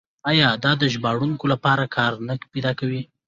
آیا دا د ژباړونکو لپاره کار نه پیدا کوي؟